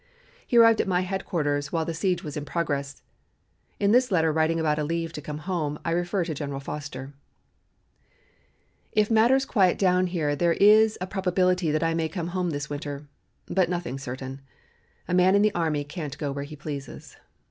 He arrived at my headquarters while the siege was in progress. In this letter writing about a leave to come home, I refer to General Foster: "If matters quiet down here there is a probability that I may come this winter, but nothing certain; a man in the army can't go when he pleases.